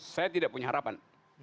saya tidak punya harapan